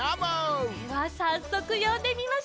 ではさっそくよんでみましょう！